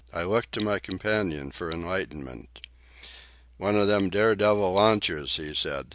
I looked to my companion for enlightenment. "One of them dare devil launches," he said.